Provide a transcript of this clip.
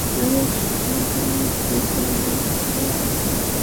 মানুষ এক জীবন শুধু একে অন্যের দিকে তাকিয়ে থেকেই পার করে দিতে পারে!